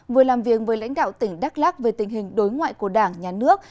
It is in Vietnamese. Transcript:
vừa làm việc với lãnh đạo tỉnh đắk lắc về tình hình đối ngoại của đảng nhà nước